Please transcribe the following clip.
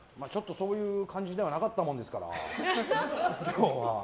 そういう感じではなかったものですから、今日は。